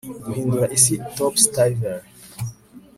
Guhindura isi topsyturvey